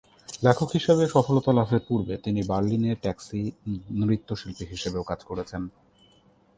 লেখক হিসেবে সফলতা লাভের পূর্বে তিনি বার্লিনে ট্যাক্সি নৃত্যশিল্পী হিসেবেও কাজ করেছেন।